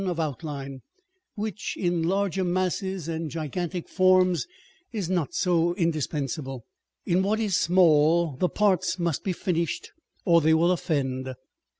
503 of outline, which in larger masses and gigantic forms is not so indispensable. In what is small, the parts must be finished, or they will offend.